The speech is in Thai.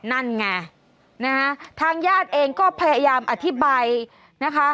นั่นไงนะฮะทางญาติเองก็พยายามอธิบายนะคะ